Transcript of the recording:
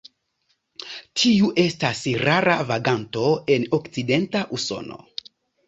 Tiu estas rara vaganto en okcidenta Usono.